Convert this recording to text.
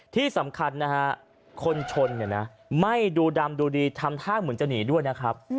ที่สำคัญนะฮะคนชนเนี่ยนะไม่ดูดำดูดีทำท่าเหมือนจะหนีด้วยนะครับ